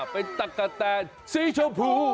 เป็นตั๊กกะแทนสีชมพู